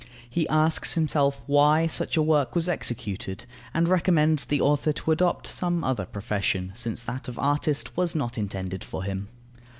He asks himself why such a work was executed, and recommends the author to adopt some other profession, since that of artist was not intended for him.